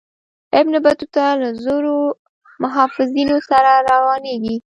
ابن بطوطه له زرو محافظینو سره روانیږي.